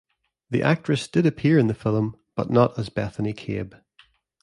The actress did appear in the film, but not as Bethany Cabe.